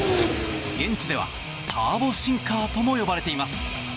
現地ではターボシンカーとも呼ばれています。